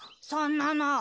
そんなの！